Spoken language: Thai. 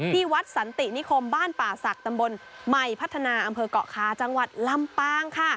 ที่วัดสันตินิคมบ้านป่าศักดิ์ตำบลใหม่พัฒนาอำเภอกเกาะคาจังหวัดลำปางค่ะ